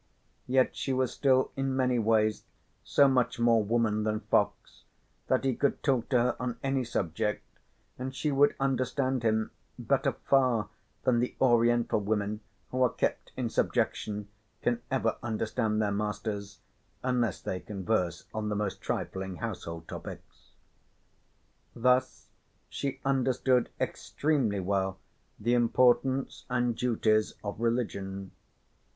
Yet she was still in many ways so much more woman than fox that he could talk to her on any subject and she would understand him, better far than the oriental women who are kept in subjection can ever understand their masters unless they converse on the most trifling household topics. Thus she understood excellently well the importance and duties of religion.